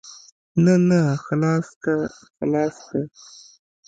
نه نه خلاصه که خلاصه که.